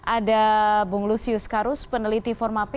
ada bung lusius karus peneliti forma p